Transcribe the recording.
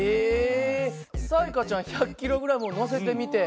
彩加ちゃん１００ｋｇを載せてみて？